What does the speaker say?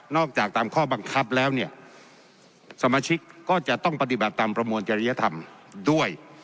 จากตามข้อบังคับแล้วเนี่ยสมาชิกก็จะต้องปฏิบัติตามประมวลจริยธรรมด้วย